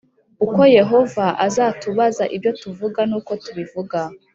uko Yehova azatubaza ibyo tuvuga n uko tubivuga